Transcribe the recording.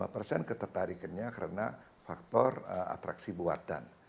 lima persen ketertarikannya karena faktor atraksi buatan